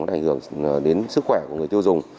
ảnh hưởng đến sức khỏe của người tiêu dùng